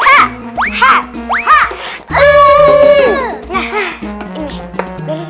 yaudah sekarang ayo kalian beres